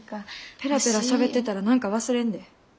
ペラペラしゃべってたら何か忘れんで。